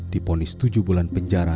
diponis tujuh bulan penjara